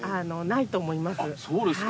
そうですか。